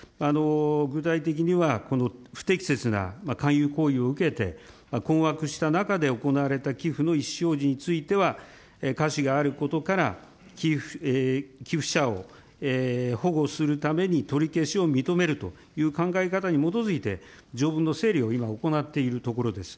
具体的には、この不適切な勧誘行為を受けて、困惑した中で行われた寄付の意思表示についてはかしがあることから、寄付者を保護するために取り消しを認めるという考え方に基づいて、条文の整理を今、行っているところです。